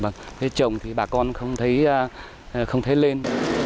thế trồng thì bà con không thấy lên